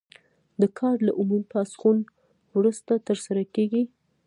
دا کار له عمومي پاڅون وروسته ترسره کیږي.